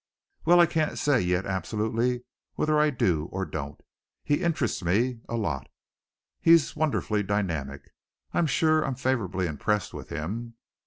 "Well, I can't say yet absolutely whether I do or don't. He interests me a lot. He's wonderfully dynamic. I'm sure I'm favorably impressed with him."